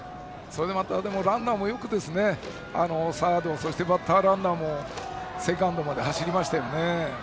ランナーも、よくサードそしてバッターランナーもセカンドまで走りましたよね。